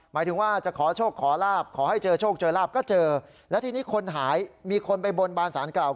หมายถึงว่าจะขอโชคขอลาบขอให้เจอโชคเจอลาบก็เจอและทีนี้คนหายมีคนไปบนบานสารกล่าว